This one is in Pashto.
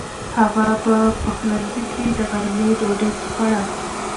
هغه په پخلنځي کې د غرمې ډوډۍ خوړه.